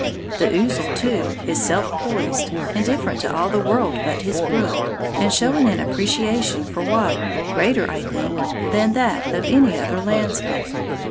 The ouzel, too, is self poised, indifferent to all the world but his brook, and showing an appreciation for water greater, I think, than that of any other landsman.